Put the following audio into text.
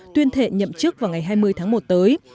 tuyên thệ nhậm chức vào ngày hai mươi tháng một tới